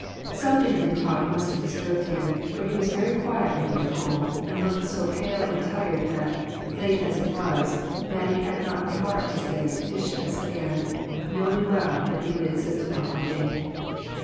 Something in the talk must have disturbed him, for he was very quiet on the way home, and looked so pale and tired that, late as it was, Mat tie had not the heart to say "dishes" again, knowing well that he would insist upon helping.